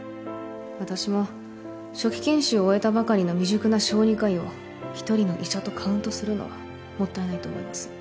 私も初期研修を終えたばかりの未熟な小児科医を１人の医者とカウントするのはもったいないと思います。